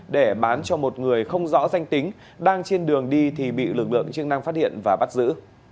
để bán cho một người không rõ danh tính đang trên đường đi thì bị lực lượng chức năng phát hiện và bắt giữ